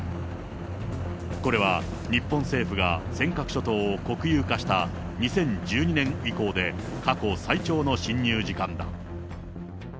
これは日本政府が尖閣諸島を国有化した２０１２年以降で、過去最長の侵入時間だ。